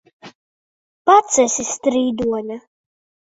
Pats esi strīdoņa!